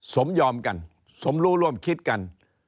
สมยอมกันสมรู้ร่วมคิดกัน